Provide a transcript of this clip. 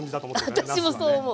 私もそう思う。